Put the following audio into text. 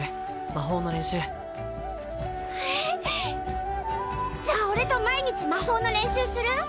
魔法の練習じゃあ俺と毎日魔法の練習する？